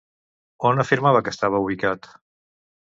On afirmava que estava ubicat?